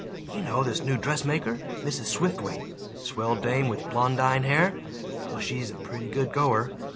"You know this new dressmaker, Mrs. Swiftwaite? swell dame with blondine hair? Well, she's a pretty good goer.